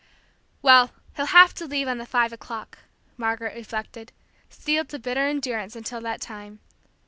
"Well, he'll have to leave on the five o'clock!" Margaret reflected, steeled to bitter endurance until that time.